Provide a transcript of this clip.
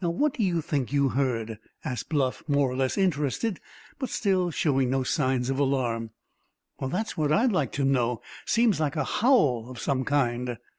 "Now, what do you think you heard?" asked Bluff, more or less interested, but still showing no signs of alarm. "That's what I'd like to know. Seemed like a howl of some kind."